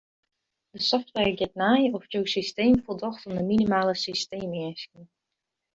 De software giet nei oft jo systeem foldocht oan de minimale systeemeasken.